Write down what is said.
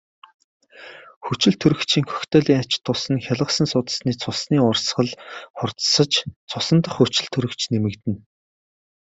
Хүчилтөрөгчийн коктейлийн ач тус нь хялгасан судасны цусны урсгал хурдсаж цусан дахь хүчилтөрөгч нэмэгдэнэ.